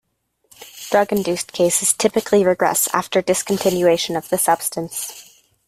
Drug-induced cases typically regress after discontinuation of the substance.